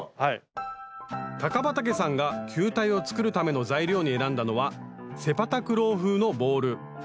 高畠さんが球体を作るための材料に選んだのはセパタクロー風のボール。